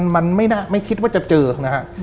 มันไม่คิดว่าจะเจอนะฮะ